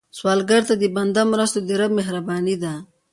سوالګر ته د بنده مرسته، د رب مهرباني ده